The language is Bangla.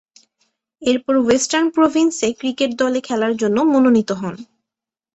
এরপর ওয়েস্টার্ন প্রভিন্স এ ক্রিকেট দলে খেলার জন্য মনোনীত হন।